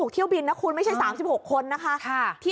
เที่ยวบินนะคุณไม่ใช่๓๖คนนะคะ